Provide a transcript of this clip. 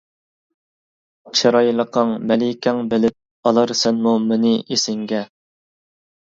چىرايلىقىڭ مەلىكەڭ بىلىپ، ئالارسەنمۇ مېنى ئېسىڭگە.